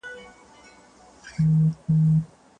مغول خپلو اشتباهاتو ته متوجه سول.